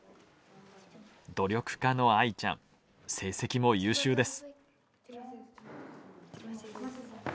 努力家のアイちゃん成績も優秀です。